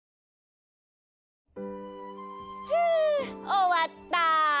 ふおわった。